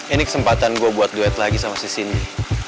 ini kesempatan gue buat duet lagi sama si sini